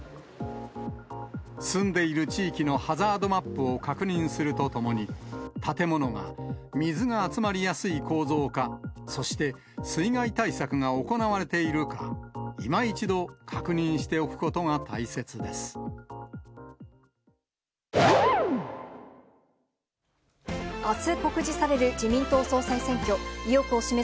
住んでいる地域のハザードマップを確認するとともに、建物が水が集まりやすい構造か、そして水害対策が行われているか、いま一度確認しておくことが大切です。